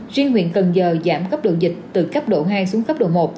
riêng huyện cần giờ giảm cấp độ dịch từ cấp độ hai xuống cấp độ một